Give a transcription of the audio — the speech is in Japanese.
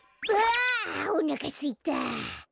あおなかすいた！